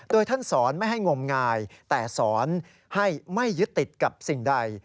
โดยท่านสอนไม่ให้งมงายแต่สอนให้ไม่ยึดติดกับสิ่งใด